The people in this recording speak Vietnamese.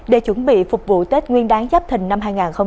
để chuẩn bị phục vụ tết nguyên đáng giáp thình năm hai nghìn hai mươi bốn